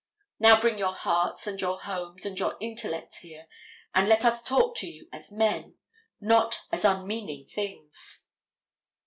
Now bring your hearts and your homes and your intellects here and let us talk to you as men, not as unmeaning things.